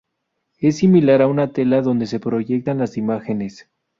Es similar a una tela donde se proyectan las imágenes.